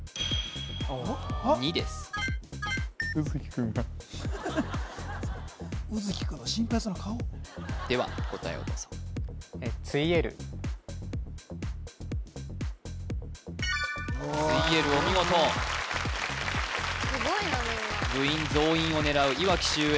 ２ですでは答えをどうぞついえるお見事すごいなみんな部員増員を狙ういわき秀英